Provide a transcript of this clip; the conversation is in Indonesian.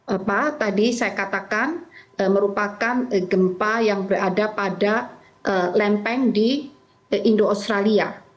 apa tadi saya katakan merupakan gempa yang berada pada lempeng di indo australia